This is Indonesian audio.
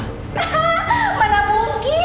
hah mana mungkin